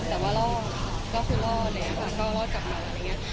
แต่ว่ารอดก็คือรอดอะไรอย่างนี้ค่ะก็รอดกลับมาอะไรอย่างนี้